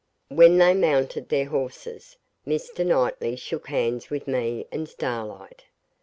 When they mounted their horses, Mr. Knightley shook hands with me and Starlight.